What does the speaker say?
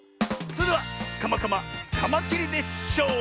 それでは「カマカマ！カマキリでショー」！